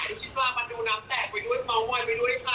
นุ่มชิ้นปลามันดูน้ำแตกไปด้วยเมาส์มอยด์ไปด้วยค่ะ